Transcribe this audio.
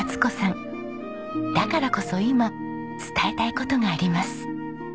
だからこそ今伝えたい事があります。